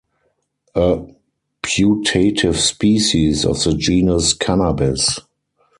A putative species of the genus "Cannabis".